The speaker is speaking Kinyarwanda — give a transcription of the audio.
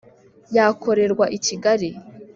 yakorerwa I Kigali